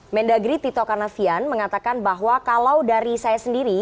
mendagri tito karnavian mengatakan bahwa kalau dari saya sendiri